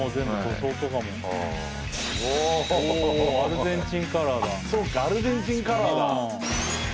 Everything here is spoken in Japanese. そうかアルゼンチンカラーだ。